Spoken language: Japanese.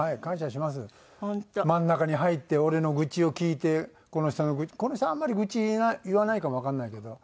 真ん中に入って俺の愚痴を聞いてこの人のこの人あんまり愚痴言わないかもわかんないけど。